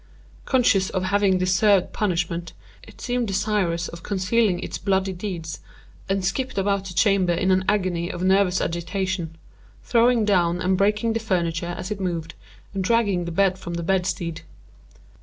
Conscious of having deserved punishment, it seemed desirous of concealing its bloody deeds, and skipped about the chamber in an agony of nervous agitation; throwing down and breaking the furniture as it moved, and dragging the bed from the bedstead.